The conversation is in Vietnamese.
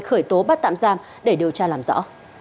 khởi tố bắt tạm giam để điều tra làm rõ